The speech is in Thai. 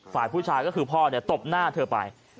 ฝ่ายผู้ชายก็คือพ่อตบหน้าเธอไป